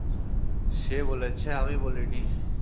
সে বলেছে, আমি বলিনি।